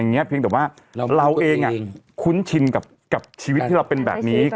เพียงแต่ว่าเราเองคุ้นชินกับชีวิตที่เราเป็นแบบนี้